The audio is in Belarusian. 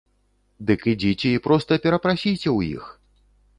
Дык ідзіце і проста перапрасіце ў іх.